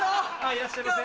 いらっしゃいませ。